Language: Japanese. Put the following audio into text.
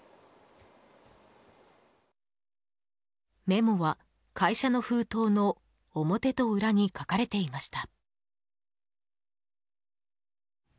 メモは、会社の封筒の表と裏に書かれていました。